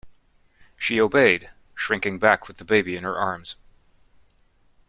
She obeyed, shrinking back with the baby in her arms.